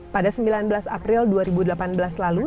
pada sembilan belas april dua ribu delapan belas lalu